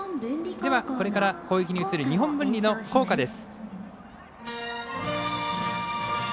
これから攻撃に移る日本文理の校歌です。